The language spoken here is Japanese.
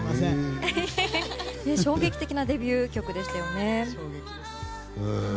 衝撃的なデビュー曲でしたよね。